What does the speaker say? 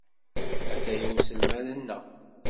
Ataya uselmad-nneɣ.